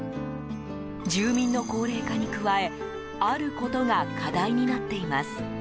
住民の高齢化に加えあることが課題になっています。